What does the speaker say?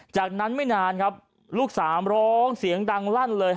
จากนั้นไม่นานครับลูกสามร้องเสียงดังลั่นเลย